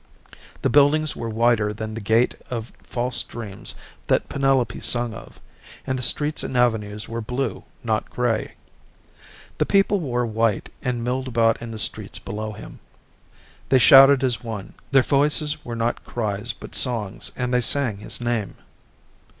The buildings were whiter than the gate of false dreams that Penelope sung of and the streets and avenues were blue, not gray. The people wore white and milled about in the streets below him. They shouted as one; their voices were not cries but songs and they sang his name.